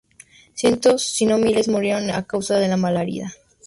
Cientos, si no miles, murieron a causa de la malaria.